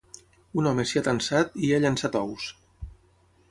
Un home s’hi ha atansat i hi ha llançat ous.